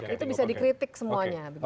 itu bisa dikritik semuanya